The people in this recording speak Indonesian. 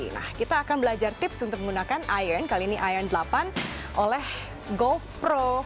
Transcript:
nah kita akan belajar tips untuk menggunakan ion kali ini ion delapan oleh gold pro